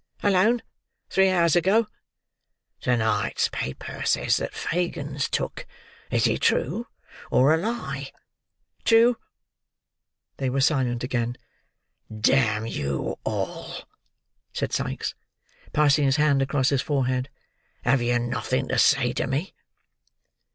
"Alone. Three hours ago." "To night's paper says that Fagin's took. Is it true, or a lie?" "True." They were silent again. "Damn you all!" said Sikes, passing his hand across his forehead. "Have you nothing to say to me?"